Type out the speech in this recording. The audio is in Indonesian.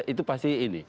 itu pasti ini